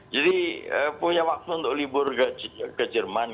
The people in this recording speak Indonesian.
jadi punya waktu untuk libur ke jerman